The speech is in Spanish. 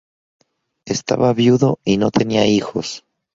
Estaba viudo y no tenía hijos.